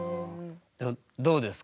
どうですか？